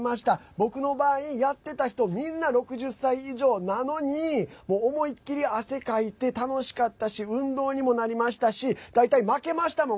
僕の場合、やってた人みんな６０歳以上なのに思いっきり汗かいて楽しかったし運動にもなりましたし大体、負けましたもん。